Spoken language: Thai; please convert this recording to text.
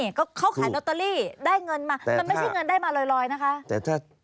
จะใช้ลอตเตอรี่ได้เงินมาแต่มันไม่ใช่เงินได้มารอยนะคะ